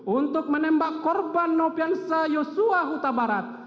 untuk menembak korban nopiansa yosua huta barat